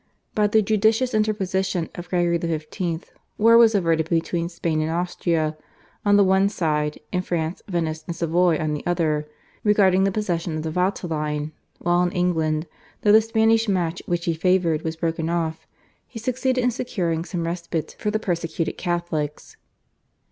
By the judicious interposition of Gregory XV. war was averted between Spain and Austria on the one side and France, Venice, and Savoy on the other regarding the possession of the Valtelline, while in England, though the Spanish Match which he favoured was broken off, he succeeded in securing some respite for the persecuted Catholics.